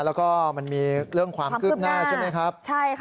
แล้วก็มันมีเรื่องความคืบหน้าใช่ไหมครับใช่ค่ะ